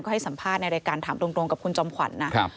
ให้สัมภาษณ์ในรายการถามตรงกับคุณจอมขวัญนะครับ